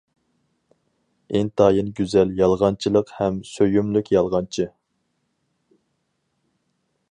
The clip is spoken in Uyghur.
ئىنتايىن گۈزەل يالغانچىلىق ھەم سۆيۈملۈك يالغانچى.